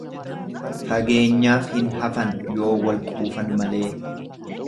Fageenyaaf hin hafan yoo walquufan malee.